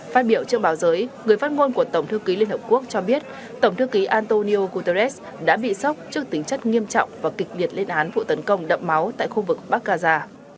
phát biểu trước báo giới người phát ngôn của tổng thư ký liên hợp quốc cho biết tổng thư ký antonio guterres đã bị sốc trước tính chất nghiêm trọng và kịch biệt lên án vụ tấn công đậm máu tại khu vực bắc gaza